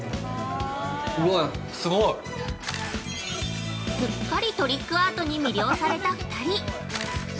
◆うわっ、すごい。◆すっかりトリックアートに魅了された２人。